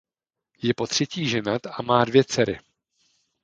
Je potřetí ženat a má dvě dcery.